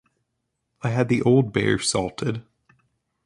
I had the old bear salted.